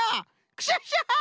クシャシャシャ！